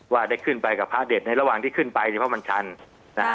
ว่าได้ขึ้นไปกับพระเด็ดในระหว่างที่ขึ้นไปเฉพาะมันชันนะฮะ